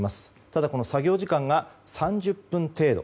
ただ、この作業時間が３０分程度。